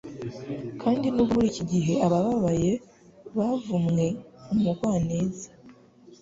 Kandi nubwo muriki gihe abababaye bavumwe umugwaneza